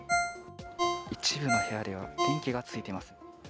一部の部屋では電気がついています。